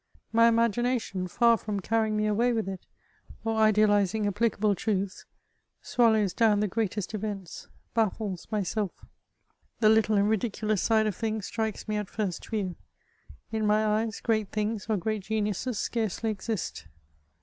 My imagination, far from carrying me away with it, or idealising appHcable truths, swallows down the greatest events, baffies myself ; the little and ridiculous side of things strikes me at first view ; in my eyes great things or great geniuses scarcely exist.